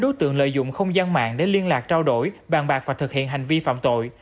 đối tượng lợi dụng không gian mạng để liên lạc trao đổi bàn bạc và thực hiện hành vi phạm tội